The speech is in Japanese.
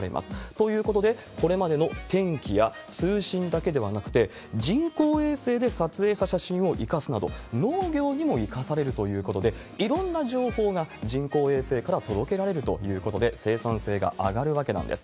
ということで、これまでの天気や通信だけではなくて、人工衛星で撮影した写真を生かすなど、農業にも生かされるということで、いろんな情報が人工衛星から届けられるということで、生産性が上がるわけなんです。